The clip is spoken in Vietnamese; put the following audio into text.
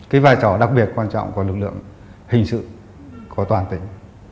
cái vai trò đặc biệt quan trọng của lực lượng hình sự của toàn tỉnh